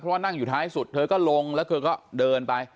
เพราะว่านั่งอยู่ท้ายสุดเธอก็ลงแล้วเธอก็เดินไป